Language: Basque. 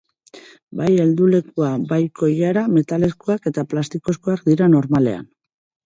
Bai heldulekua bai koilara metalezkoak edo plastikozkoak dira normalean.